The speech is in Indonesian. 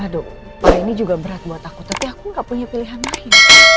aduh kalau ini juga berat buat aku tapi aku gak punya pilihan lain